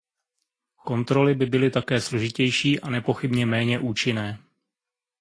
Kontroly by byly také složitější a nepochybně méně účinné.